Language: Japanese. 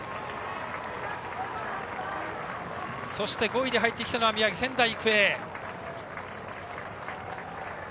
そして５位に入ってきたのは宮城・仙台育英。